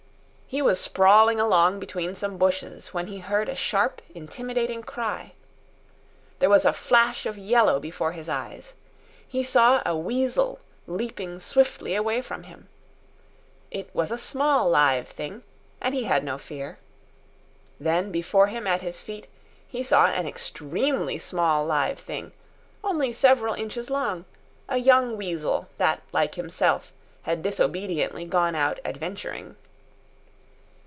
He was sprawling along between some bushes, when he heard a sharp intimidating cry. There was a flash of yellow before his eyes. He saw a weasel leaping swiftly away from him. It was a small live thing, and he had no fear. Then, before him, at his feet, he saw an extremely small live thing, only several inches long, a young weasel, that, like himself, had disobediently gone out adventuring.